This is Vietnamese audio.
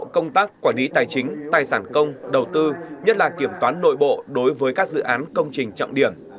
công tác quản lý tài chính tài sản công đầu tư nhất là kiểm toán nội bộ đối với các dự án công trình trọng điểm